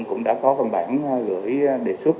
cũng đã có văn bản gửi đề xuất